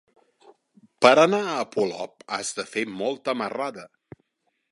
Per anar a Polop has de fer molta marrada.